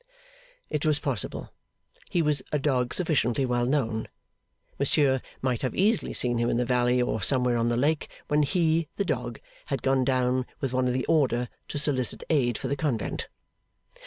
It was possible. He was a dog sufficiently well known. Monsieur might have easily seen him in the valley or somewhere on the lake, when he (the dog) had gone down with one of the order to solicit aid for the convent.